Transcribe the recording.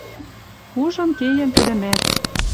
Ужын кеем тӹдӹмӓт».